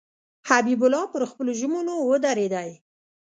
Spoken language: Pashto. حبیب الله پر خپلو ژمنو ودرېدی.